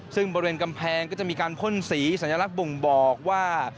ซึ่งบริเวณกำแพงก็จะมีการพ่นสีสัญลักษณ์บ่งบอกว่า